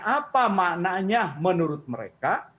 apa maknanya menurut mereka